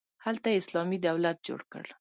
هلته یې اسلامي دولت جوړ کړ.